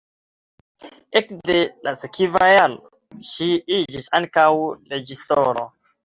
Ekde la sekva jaro ŝi iĝis ankaŭ reĝisoro.